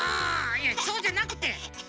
いやそうじゃなくて！